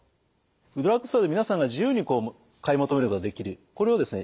ドラッグストアで皆さんが自由に買い求めることができるこれをですね